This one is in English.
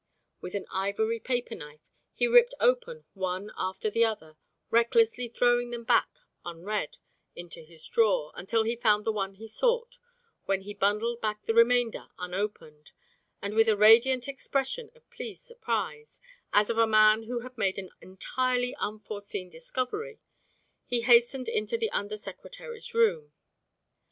With an ivory paper knife he ripped open one after the other, recklessly throwing them back unread into his drawer until he found the one he sought, when he bundled back the remainder unopened, and with a radiant expression of pleased surprise, as of a man who had made an entirely unforeseen discovery, he hastened into the Under Secretary's room.